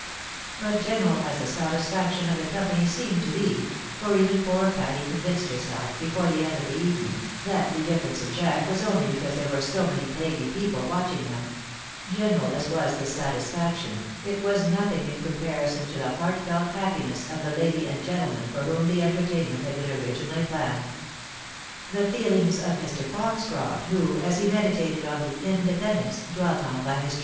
But general as the satisfaction of the company seemed to be —for even poor Patty convinced herself, before the end of the evening, that the difference in Jack was only because there were so many plaguy people watching them — ^ggneral as was this satisfaction, it was nothing in comparison to the heartfelt happiness of the lady and gentleman for whom the entertainment had been originally planned. The feehngs of Mr. Foxcroft, who, as he meditated on the "independence" dwelt on by Mr. 282 THE WIDOW MARRIED.